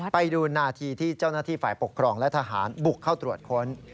ไปดูนาทีที่เจ้าหน้าที่ฝ่ายปกครองและทหารบุกเข้าตรวจค้น